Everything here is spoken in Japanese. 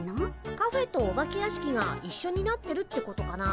カフェとお化け屋敷が一緒になってるってことかな？